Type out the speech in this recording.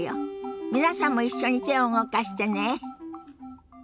皆さんも一緒に手を動かしてね。